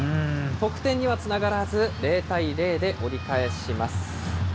得点にはつながらず、０対０で折り返します。